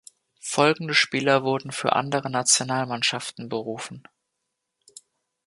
Folgende Spieler wurden für andere Nationalmannschaften berufen.